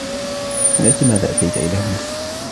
من أجل ماذا أتيتَ إلى هنا؟